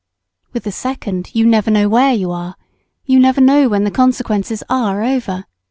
With the second you never know where you are you never know when the consequences are over.